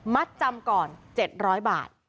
จำก่อน๗๐๐บาท